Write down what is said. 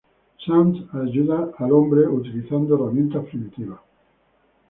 Sands ayudar al hombre, utilizando herramientas primitivas.